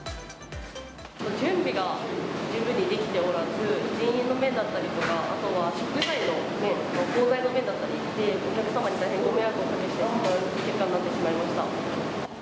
準備が十分にできておらず、人員の面だったりとか、あとは食材の面、包材の面だったりで、お客様に大変ご迷惑をおかけしてしまう結果となってしまいました。